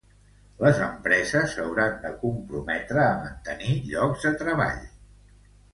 Les empreses s'hauran de comprometre a mantenir llocs de treball.